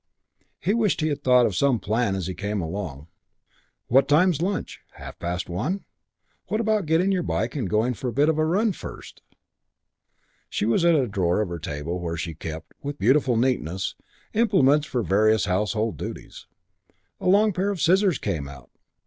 He wished he had thought of some plan as he came along. "What time's lunch? Half past one? What about getting your bike and going for a bit of a run first?" She was at a drawer of her table where she kept, with beautiful neatness, implements for various household duties. A pair of long scissors came out.